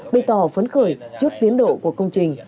bày tỏ phấn khởi trước tiến độ của công trình